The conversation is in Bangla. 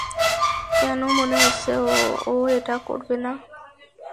কেন মনে হচ্ছে ও এটা করবে না?